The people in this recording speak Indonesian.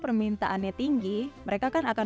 permintaannya tinggi mereka kan akan